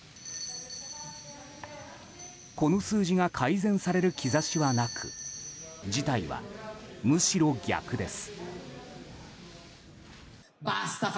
この数字が改善される兆しはなく事態はむしろ逆です。